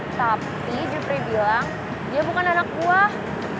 tapi jupri bilang dia bukan anak buah